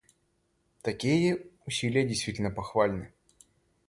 Такие усилия действительно похвальны.